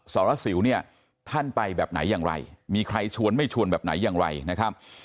สารสิวเนี่ยท่านไปแบบไหนอย่างไรมีใครชวนไม่ชวนแบบไหนอย่างไรนะครับ